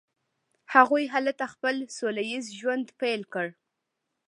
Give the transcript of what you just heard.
هغوی هلته خپل سوله ایز ژوند پیل کړ.